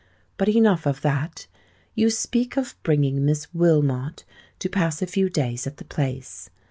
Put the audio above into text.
But enough of that. You speak of bringing Miss Wilmot, to pass a few days at the Place.